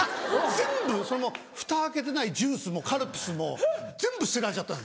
全部そのふた開けてないジュースもカルピスも全部捨てられちゃったの。